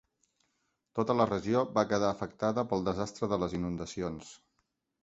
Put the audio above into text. Tota la regió va quedar afectada pel desastre de les inundacions.